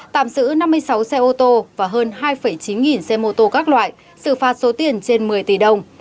tạm giữ năm mươi sáu xe ô tô và hơn hai chín nghìn xe mô tô các loại xử phạt số tiền trên một mươi tỷ đồng